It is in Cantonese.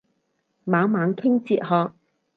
猛猛傾哲學